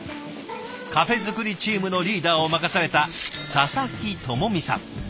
カフェ作りチームのリーダーを任された佐々木知美さん。